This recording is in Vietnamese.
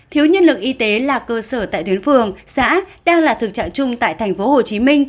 thiếu nhân lực y tế là cơ sở tại tuyến phường xã đang là thực trạng chung tại tp hcm